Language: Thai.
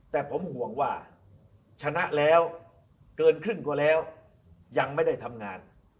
แต่ผมห่วงว่าชนะแล้วเกินครึ่งกว่าแล้วยังไม่ได้ทำงาน